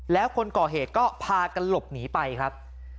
แล้วคนก่อเหตุก็พากันหลบหนีไปครับ